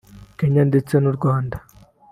Kenya ndetse n’u Rwanda